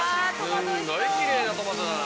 すっごいキレイなトマトだな。